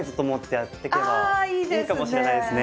いいかもしれないですね。